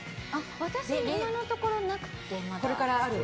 私、今のところなくて。